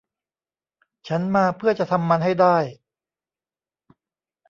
ฉันมาเพื่อจะทำมันให้ได้